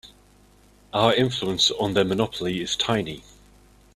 Our influence on their monopoly is tiny.